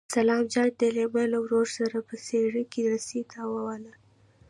سلام جان د لېلما له ورور سره په څېړۍ کې رسۍ تاووله.